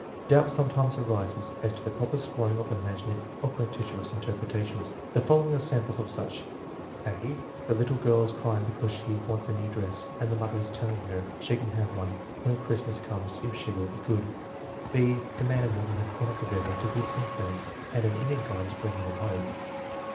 Doubt sometimes arises as to the proper scoring of imaginative or gratuitous interpretations. The following are samples of such: (a) "The little girl is crying because she wants a new dress and the mother is telling her she can have one when Cliristmas comes if she will be good." (b) "The man and woman have gone up the river to visit some friends and an Indian guide is bringing them home."